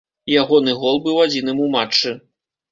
Ягоны гол быў адзіным у матчы.